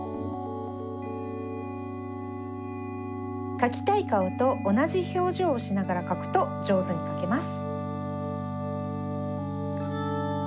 かきたい顔とおなじひょうじょうをしながらかくとじょうずにかけます。